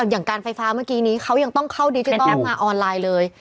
อย่างการไฟฟ้าเมื่อกี้นี้เขายังต้องเข้าดิจิทัลมาออนไลน์เลย